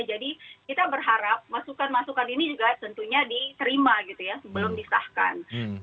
jadi kita berharap masukan masukan ini juga tentunya diterima gitu ya sebelum disahkan